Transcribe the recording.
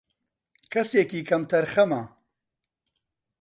کەسێکی کەم تەرخەمە